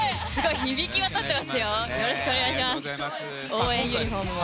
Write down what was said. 応援ユニホームも。